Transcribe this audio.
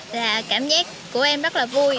là cảm giác của em rất là vui